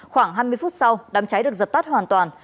khoảng hai mươi phút sau đám cháy được dập tắt hoàn toàn